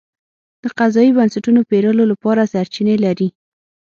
د قضایي بنسټونو پېرلو لپاره سرچینې لري.